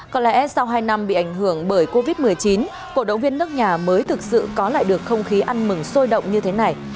có lẽ sau hai năm bị ảnh hưởng bởi covid một mươi chín cổ động viên nước nhà mới thực sự có lại được không khí ăn mừng sôi động như thế này